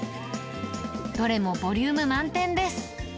どれもボリューム満点です。